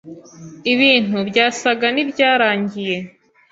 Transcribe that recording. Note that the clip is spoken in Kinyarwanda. Ibintu byasaga n’ibyarangiye